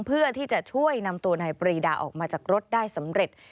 เพื่อที่จะช่วยนำตัวนายปรีดาออกมาจากรถได้สำเร็จ